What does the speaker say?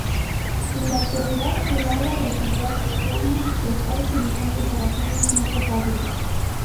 En la actualidad, el agua residual reclamada se está utilizando para fines no potables.